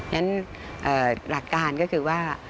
หลักการก็คือว่า